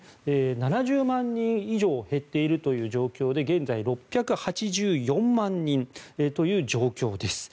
７０万人以上減っているという状況で現在は６８４万人という状況です。